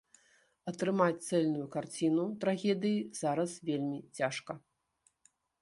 Атрымаць цэльную карціну трагедыі зараз вельмі цяжка.